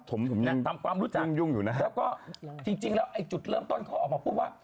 ผมยังยุ่งอยู่นะครับแล้วก็จริงแล้วจุดเริ่มต้นเขาออกมาพูดว่า